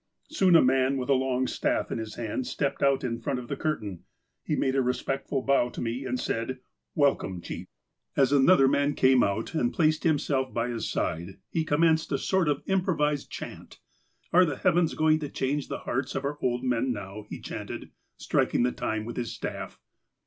"Soon, a man, with a long staff in his hand, stepped out in front of the curtain. He made a respectful bow to me, and said :"' Welcome, chief !' 146 THE APOSTLE OF ALASKA '' As another man then came out, and placed himself by his side, he commenced a sort of improvised chant :''' Are the heavens going to change the hearts of our old men now ?' he chanted, striking the time with his staff.